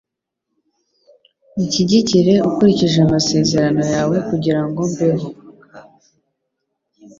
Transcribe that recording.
Unshyigikire ukurikije amasezerano yawe kugira ngo mbeho